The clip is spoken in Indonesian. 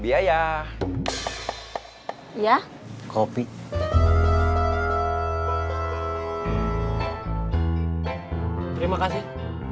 biaya ya kopi terima kasih